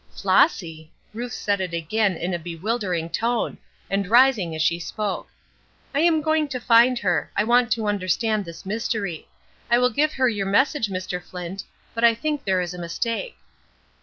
"Flossy!" Ruth said it again, in a bewildering tone, and rising as she spoke. "I am going to find her; I want to understand this mystery. I will give her your message, Mr. Flint, but I think there is a mistake."